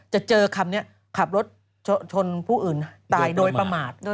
จะเจอคำนี้ขับรถชนผู้อื่นตายโดยประมาทด้วย